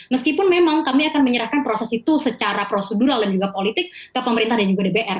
meskipun memang kami akan menyerahkan proses itu secara prosedural dan juga politik ke pemerintah dan juga dpr